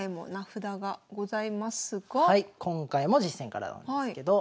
今回も実戦からなんですけど。